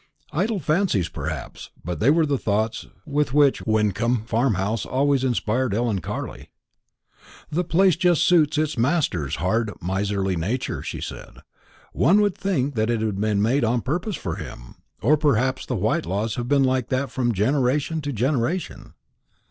Idle fancies, perhaps; but they were the thoughts with which Wyncomb Farmhouse always inspired Ellen Carley. "The place just suits its master's hard miserly nature," she said. "One would think it had been made on purpose for him; or perhaps the Whitelaws have been like that from generation to generation."